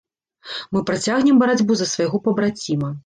Мы працягнем барацьбу за свайго пабраціма.